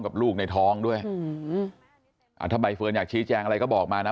กับลูกในท้องด้วยอืมอ่าถ้าใบเฟิร์นอยากชี้แจงอะไรก็บอกมานะ